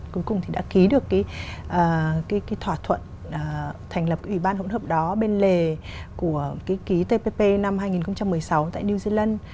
cuối cùng thì đã ký được cái thỏa thuận thành lập ủy ban hỗn hợp đó bên lề của ký tpp năm hai nghìn một mươi sáu tại new zealand